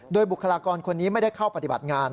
โดยบุคลากรคนนี้ไม่ได้เข้าปฏิบัติงาน